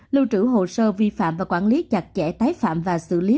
lưu trữ hồ sơ vi phạm và quản lý chặt chẽ tái phạm và xử lý